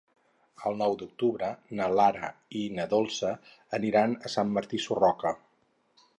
El nou d'octubre na Lara i na Dolça aniran a Sant Martí Sarroca.